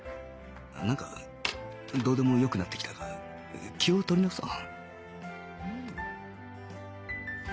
なんかどうでもよくなってきたが気を取り直そう